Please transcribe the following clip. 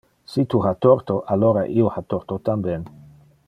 Si tu ha torto, alora io ha torto tamben.